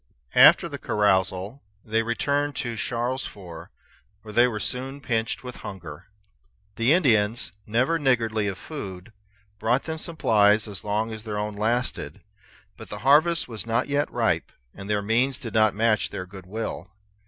After the carousal they returned to Charlesfort, where they were soon pinched with hunger. The Indians, never niggardly of food, brought them supplies as long as their own lasted; but the harvest was not yet ripe, and their means did not match their good will.